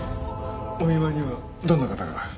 お見舞いにはどんな方が？